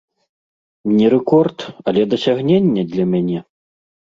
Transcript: Не рэкорд, але дасягненне для мяне.